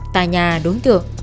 tại nhà đối tượng